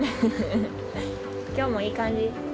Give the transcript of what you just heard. きょうもいい感じ？